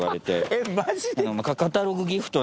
えっ？